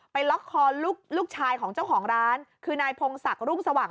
ล็อกคอลูกชายของเจ้าของร้านคือนายพงศักดิ์รุ่งสว่าง